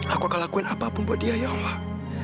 aku akan lakukan apa pun buat dia ya allah